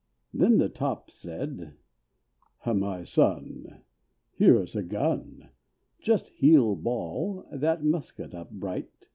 Then the top said, "My Son, here is a gun, Just heel ball that musket up bright.